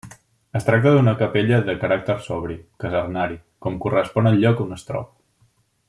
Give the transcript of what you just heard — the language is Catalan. Es tracta d'una capella de caràcter sobri, casernari, com correspon al lloc on es troba.